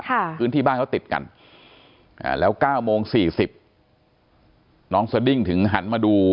ค่ะพื้นที่บ้านเขาติดกันอ่าแล้ว๙โมง๔๐น้องสดิงถึงหันมาดู